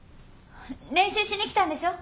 練習しに来たんでしょ？